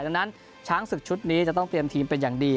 ดังนั้นช้างศึกชุดนี้จะต้องเตรียมทีมเป็นอย่างดี